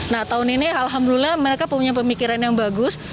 nah tahun ini alhamdulillah mereka punya pemikiran yang bagus